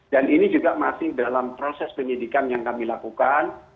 dan ini juga masih dalam proses penyidikan yang kami lakukan